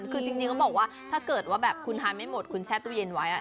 คือจริงเขาบอกว่าถ้าเกิดว่าแบบคุณทานไม่หมดคุณแช่ตู้เย็นไว้